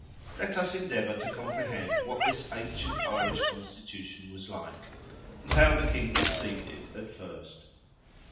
Let us endeavour to comprehend what this ancient Irish Constitution was like, and how the Kings received it, at first.